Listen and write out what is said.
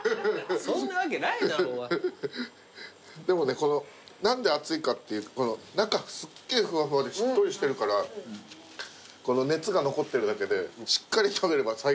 でもね何で熱いかっていうと中すっげぇふわふわでしっとりしてるから熱が残ってるだけでしっかり食べれば最高ですこれ。